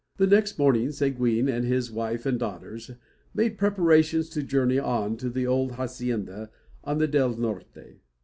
Next morning, Seguin, with his wife and daughters, made preparations to journey on to the old hacienda on the Del Norte.